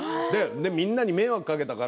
みんなに迷惑をかけたから